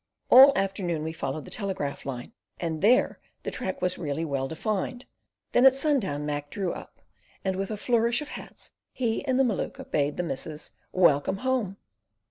All afternoon we followed the telegraph line, and there the track was really well defined; then at sundown Mac drew up, and with a flourish of hats he and the Maluka bade the missus "Welcome Home!"